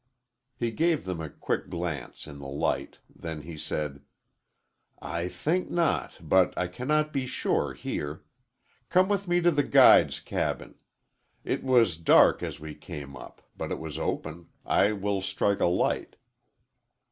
He gave them a quick glance in the light, then he said: "I think not, but I cannot be sure here. Come with me to the guide's cabin. It was dark as we came up, but it was open. I will strike a light."